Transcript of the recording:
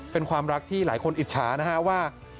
เป็นความรักที่หลายคนอิจฉานะฮะว่า